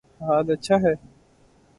حال اچھا ہے